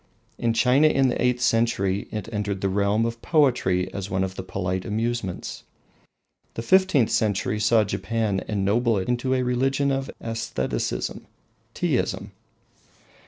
In China, in the eighth century, it entered the realm of poetry as one of the polite amusements. The fifteenth century saw Japan ennoble it into a religion of aestheticism Teaism.